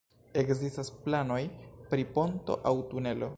Ekzistas planoj pri ponto aŭ tunelo.